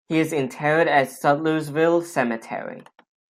He is interred in Sudlersville Cemetery.